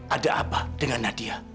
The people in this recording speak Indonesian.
ada apa dengan nadia